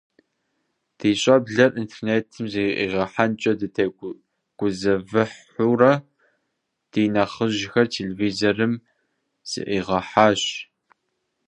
Ди щӏэблэр интернетым зэӏигъэхьэнкӏэ дытегузэвыхьурэ, ди нэхъыжьхэр телевизорым зэӏигъэхьэпащ.